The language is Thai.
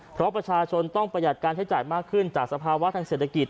เพราะประชาชนต้องประหยัดการใช้จ่ายมากขึ้นจากสภาวะทางเศรษฐกิจ